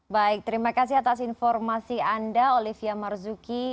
baik terima kasih atas informasi anda olivia marzuki